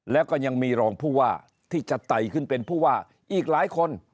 แล้วก็ยังมีรองผู้ว่าที่จะไต่ขึ้นเป็นผู้ว่าอีกหลายคน